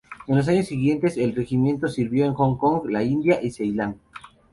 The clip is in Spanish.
En los años siguientes el regimiento sirvió en Hong Kong, la India y Ceilán.